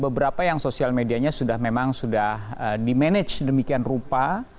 beberapa yang sosial medianya sudah memang sudah di manage demikian rupa